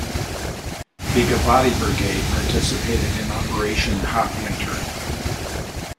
The Givati Brigade participated in Operation Hot Winter.